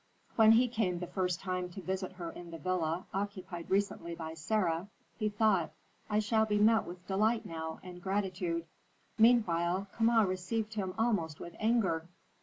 When he came the first time to visit her in the villa occupied recently by Sarah, he thought: "I shall be met with delight now and gratitude." Meanwhile Kama received him almost with anger.